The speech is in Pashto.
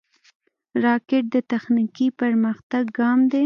راکټ د تخنیکي پرمختګ ګام دی